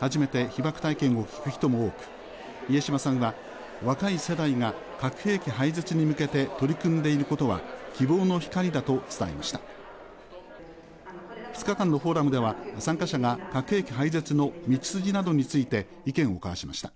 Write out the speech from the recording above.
初めて被爆体験を聞く人も多く家島さんが若い世代が核兵器廃絶に向けて取り組んでいることは希望の光だと伝えました２日間のフォーラムでは参加者が核兵器廃絶の道筋などについて意見を交わしました